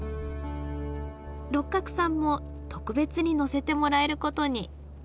六角さんも特別に乗せてもらえることに。